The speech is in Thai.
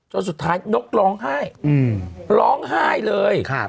สุดท้ายนกร้องไห้ร้องไห้เลย